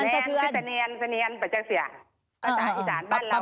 แม่มันเสนียนเสนียนประจักษ์เสียงภาษาอีกภาษาบ้านเรานะ